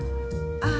ああ。